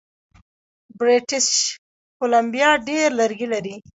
بریټیش کولمبیا ډیر لرګي لري.